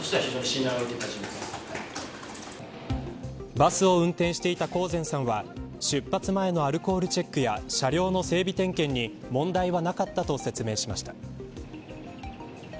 バスを運転していた興膳さんは出発前のアルコールチェックや車両の整備点検に問題はなかったと説明しました。